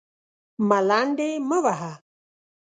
_ملنډې مه وهه!